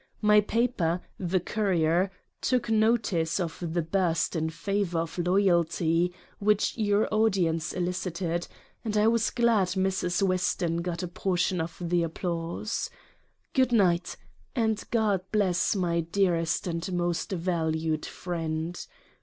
My Paper, the Courier, took notice of the burst in favor of Loyalty which your audience elicited ; and I was glad Mrs. Weston got a portion of the Applause. Good Night! and God bless my dearest and most valued Friend